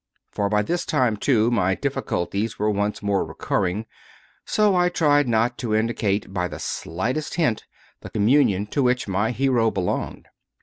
For by this time, too, my dif ficulties were once more recurring, so I tried not to indicate by the slightest hint the communion to which my hero belonged.